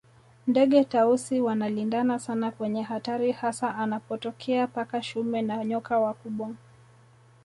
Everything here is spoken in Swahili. Ndege Tausi wanalindana sana kwenye hatari hasa anapotokea paka shume na nyoka wakubwa